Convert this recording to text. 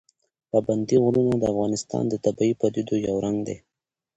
پابندی غرونه د افغانستان د طبیعي پدیدو یو رنګ دی.